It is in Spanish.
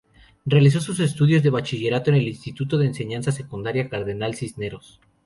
Realizó sus estudios de bachillerato en el Instituto de Enseñanza Secundaria Cardenal Cisneros.